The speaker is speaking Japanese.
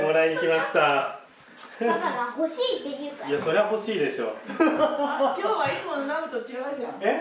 いやそりゃほしいでしょ。